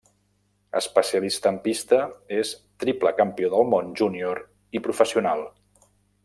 Especialista en pista, és triple campió del món junior i professional.